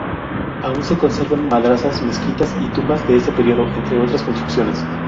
Aún se conservan madrasas, mezquitas y tumbas de este periodo, entre otras construcciones.